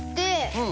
うん。